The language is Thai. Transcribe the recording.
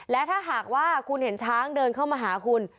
และถ้าหากว่าคุณเห็นช้างเดินเข้ามาหาคุณ